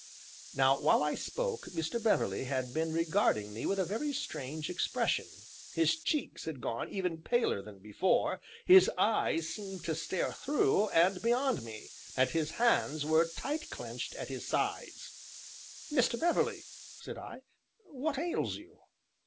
Now while I spoke, Mr. Beverley had been regarding me with a very strange expression, his cheeks had gone even paler than before, his eyes seemed to stare through, and beyond me, and his hands were tight clenched at his sides. "Mr. Beverley," said I, "what ails you?"